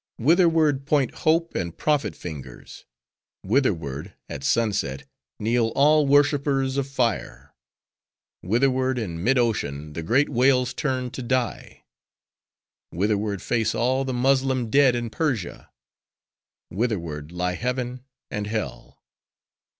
Whitherward point Hope and prophet fingers; whitherward, at sun set, kneel all worshipers of fire; whitherward in mid ocean, the great whales turn to die; whitherward face all the Moslem dead in Persia; whitherward lie Heaven and Hell!